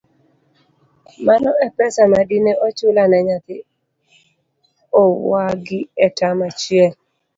Mano e pesa madine ochula ne nyathi owagi e tam achiel.